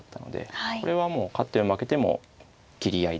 これはもう勝っても負けても斬り合いですね。